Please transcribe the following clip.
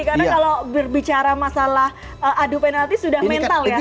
karena kalau berbicara masalah adu penalti sudah mental ya